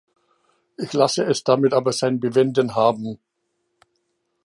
Ich lasse es damit aber sein Bewenden haben.